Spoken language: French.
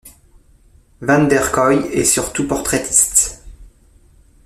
Van der Kooi est surtout portraitiste.